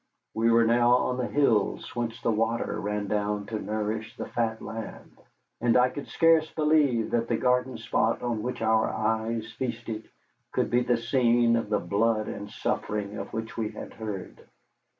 We were now on the hills whence the water ran down to nourish the fat land, and I could scarce believe that the garden spot on which our eyes feasted could be the scene of the blood and suffering of which we had heard.